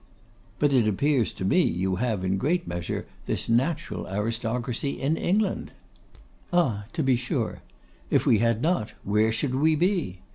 'But it appears to me you have, in a great measure, this natural aristocracy in England.' 'Ah, to be sure! If we had not, where should we be?